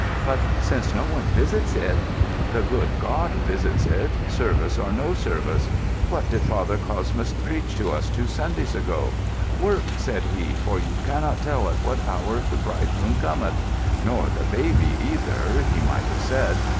"But since no one visits it——" "The good God visits it, service or no service. What did Father Cosmas preach to us two Sundays ago? 'Work,' said he, 'for you cannot tell at what hour the Bridegroom cometh'—nor the baby, either, he might have said.